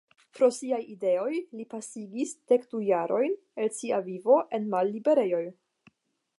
Pro siaj ideoj li pasigis dekdu jarojn el sia vivo en malliberejoj.